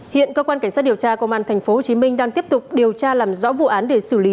hiện cơ quan cảnh sát điều tra công an tp hcm đang tiếp tục điều tra làm rõ vụ án để xử lý